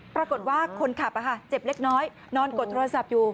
ปรากฏว่าคนขับเจ็บเล็กน้อยนอนกดโทรศัพท์อยู่